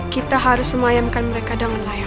kita harus semayamkan mereka dengan layak